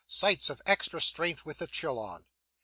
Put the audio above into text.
Sights of extra strength with the chill on.